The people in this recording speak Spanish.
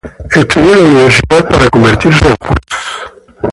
Estudió en la universidad para convertirse en juez.